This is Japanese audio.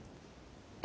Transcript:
え？